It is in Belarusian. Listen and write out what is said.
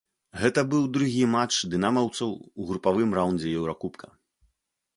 Гэта быў другі матч дынамаўцаў у групавым раўндзе еўракубка.